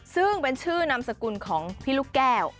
ซึ่งเป็นชื่อนามสกุลของพี่ลูกแก้ว